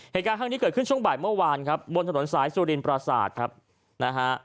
เหตุการณ์ข้างนี้เกิดขึ้นช่วงบ่ายเมื่อวานครับบนถนนสายสุรินปราศาสตร์ครับนะฮะ